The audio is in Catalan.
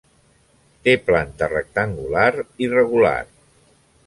Té planta rectangular irregular.